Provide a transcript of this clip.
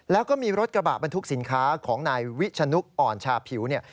แล้วก็มีรถกระบะบรรทุกสินค้าของนายวิชนุกอ่อนชาผิวเนี่ย